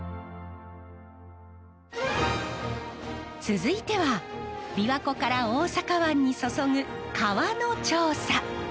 続いてはびわ湖から大阪湾に注ぐ川の調査。